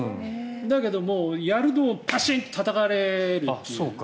だけど、やるとパシン！とたたかれるという。